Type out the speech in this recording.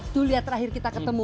tuh lihat terakhir kita ketemu